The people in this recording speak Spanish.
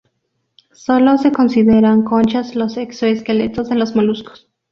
Solo se consideran conchas los exoesqueletos de los moluscos.